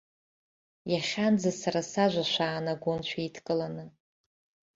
Иахьанӡа сара сажәа шәаанагон шәеидкыланы.